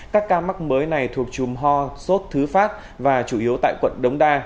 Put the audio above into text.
các ca mắc mới này thuộc chùm ho sốt thứ phát và chủ yếu tại quận đống đa